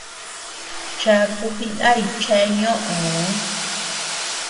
Chaku jinay chéa ñoʼoo.